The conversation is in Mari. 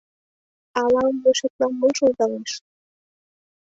Алал ешетлан мо шулдалеш!